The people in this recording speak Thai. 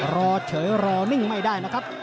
รอเฉยรอนิ่งไม่ได้นะครับ